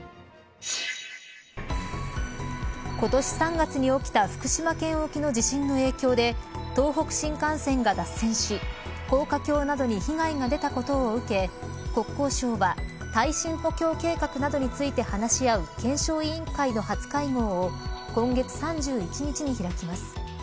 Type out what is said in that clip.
今年３月に起きた福島県沖の地震の影響で東北新幹線が脱線し高架橋などに被害が出たことを受け国交省は耐震補強計画などについて話し合う検証委員会の初会合を今月３１日に開きます。